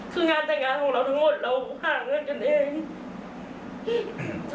คืองานแต่งงานของเราทั้งหมดเราหาเงินกันเอง